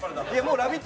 「ラヴィット！」